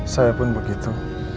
saya pun begitu